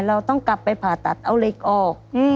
เราต้องกลับไปผ่าตัดเอาเหล็กออก